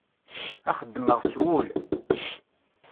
A xeddmeɣ s wul.